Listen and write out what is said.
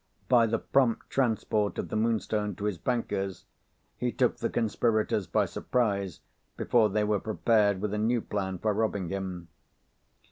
By the prompt transport of the Moonstone to his banker's, he took the conspirators by surprise before they were prepared with a new plan for robbing him.